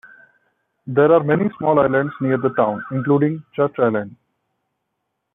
There are many small islands near the town, including Church Island.